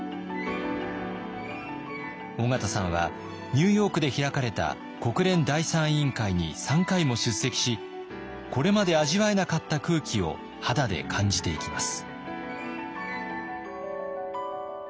緒方さんはニューヨークで開かれた国連第３委員会に３回も出席しこれまで味わえなかった空気を肌で感じていきます。